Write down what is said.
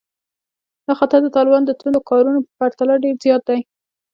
دا خطر د طالبانو د توندو کارونو په پرتله ډېر زیات دی